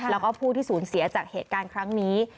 แล้วก็ผู้ที่สูญเสียจากเหตุการณ์ครั้งนี้